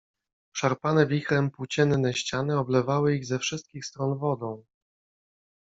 Szarpane wichrem płócienne ściany oblewały ich ze wszystkich stron wodą.